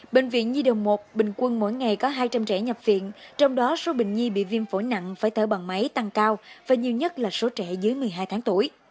bệnh viện nhi đồng một bình quân mỗi ngày có hai trăm linh trẻ nhập viện trong đó số bệnh nhi bị viêm phổi nặng phải thở bằng máy tăng cao và nhiều nhất là số trẻ dưới một mươi hai tháng tuổi